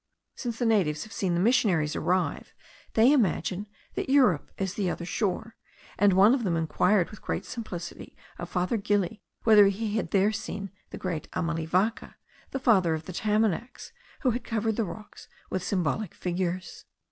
Since the natives have seen the missionaries arrive, they imagine that Europe is this other shore; and one of them inquired with great simplicity of Father Gili, whether he had there seen the great Amalivaca, the father of the Tamanacs, who had covered the rocks with symbolic figures.